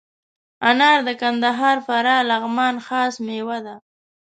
انار د کندهار، فراه، لغمان خاص میوه ده.